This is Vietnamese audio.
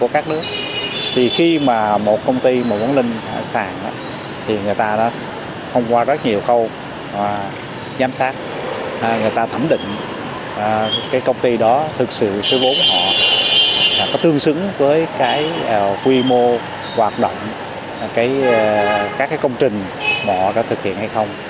công ty đó thực sự có tương xứng với quy mô hoạt động các công trình bỏ đã thực hiện hay không